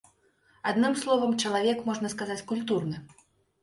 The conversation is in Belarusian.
Адным словам, чалавек, можна сказаць, культурны.